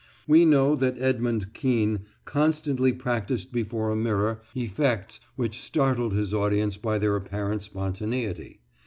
We know that Edmund Kean constantly practised before a mirror effects which startled his audience by their apparent spontaneity.